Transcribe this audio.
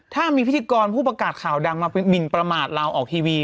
ถ้ามีพิธีกรผู้ประกาศข่าวดังมาหมินประมาทเราออกทีวี